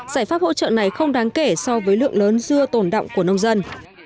giải pháp hỗ trợ này không đáng kể so với lượng lớn dưa tồn động của nông dân